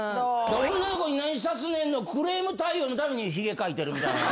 女の子に何さすねんのクレーム対応のためにヒゲ描いてるみたいな。